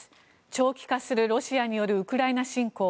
長期化するロシアによるウクライナ侵攻。